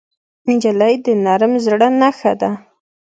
نجلۍ د نرم زړه نښه ده.